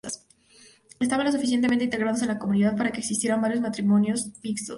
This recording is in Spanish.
Estaban lo suficientemente integrados en la comunidad para que existieran varios matrimonios mixtos.